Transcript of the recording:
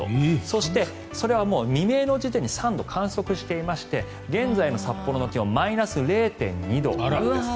そして、それは未明の時点で３度観測していまして現在の札幌の気温はマイナス０．２度です。